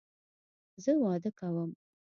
زه واده کوم